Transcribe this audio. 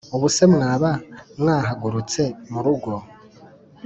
Ubuse mwaba mwahagurutse mu rugo